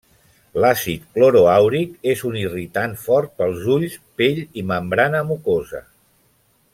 L'àcid cloroàuric és un irritant fort pels ulls, pell i membrana mucosa.